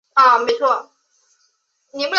致力於提升女性劳动参与率